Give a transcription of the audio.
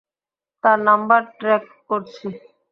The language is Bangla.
তার নাম্বার ট্র্যাক করছি।